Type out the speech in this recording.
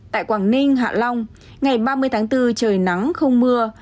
tại quảng ninh hạ long ngày ba mươi tháng bốn trời nắng không mưa